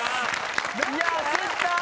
いや焦った！